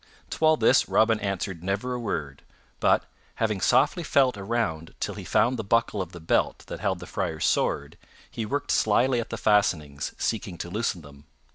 To all this Robin answered never a word, but, having softly felt around till he found the buckle of the belt that held the Friar's sword, he worked slyly at the fastenings, seeking to loosen them.